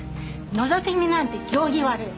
のぞき見なんて行儀悪い！